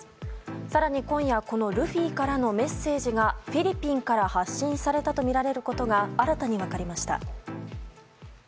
更に今夜このルフィからのメッセージがフィリピンから発信されたとみられることが新たに分かりました。